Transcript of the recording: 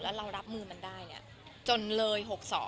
แล้วเรารับมือมันได้จนเลย